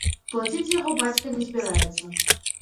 Плаціць яго бацька не збіраецца.